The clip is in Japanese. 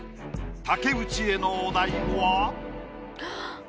竹内へのお題は？はっ！